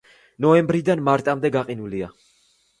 ნოემბრიდან მარტამდე გაყინულია.